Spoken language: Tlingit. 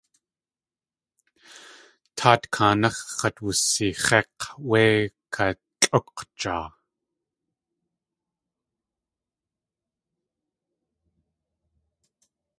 Taat kanax̲ x̲at wusix̲ék̲ wé katlʼúk̲jaa.